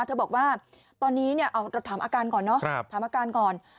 เธอบอกว่าตอนนี้เราถามอาการก่อนเนาะถามอาการก่อน